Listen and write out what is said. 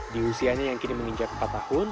di usianya yang kini menginjak empat tahun